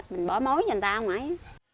mình bỏ mối cho người ta không ai